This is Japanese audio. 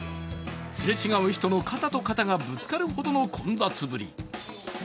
すれ違う人の肩と肩がぶつかるほどの混雑ぶり。